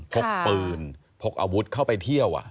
พกปืนพกอาวุธเข้าไปเที่ยว